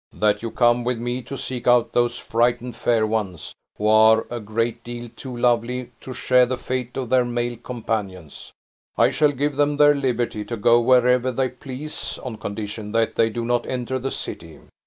"That you come with me to seek out those frightened fair ones, who are a great deal too lovely to share the fate of their male companions. I shall give them their liberty to go where they please, on condition that they do not enter the city.